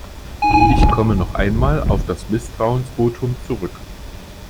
Ich komme noch einmal auf das Misstrauensvotum zurück.